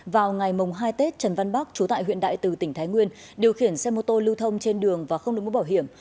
vào ngày mồng hai tết trần văn bắc chú tại huyện đại từ tỉnh thái nguyên điều khiển xe mô tô lưu thông trên đường và không được mũ bảo hiểm